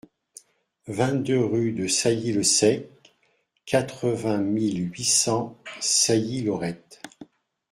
vingt-deux rue de Sailly le Sec, quatre-vingt mille huit cents Sailly-Laurette